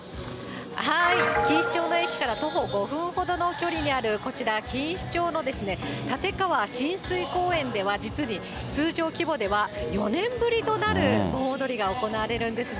錦糸町の駅から徒歩５分ほどの距離にあるこちら、錦糸町の竪川親水公園では、実に通常規模では４年ぶりとなる盆踊りが行われるんですね。